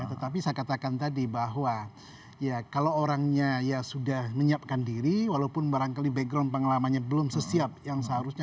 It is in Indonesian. tetapi saya katakan tadi bahwa ya kalau orangnya ya sudah menyiapkan diri walaupun barangkali background pengalamannya belum sesiap yang seharusnya